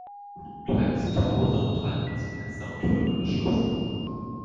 Bleiben Sie zu Hause und halten Sie Fenster und Türen geschlossen.